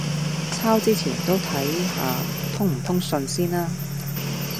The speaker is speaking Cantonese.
抄之前都睇吓通唔通順先呀